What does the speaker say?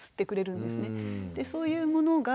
そういうものが。